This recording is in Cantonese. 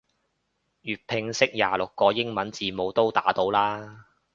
粵拼識廿六個英文字母都打到啦